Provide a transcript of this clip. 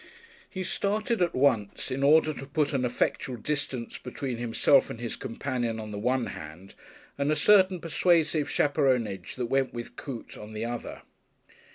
He started at once, in order to put an effectual distance between himself and his companion, on the one hand, and a certain persuasive chaperonage that went with Coote, on the other.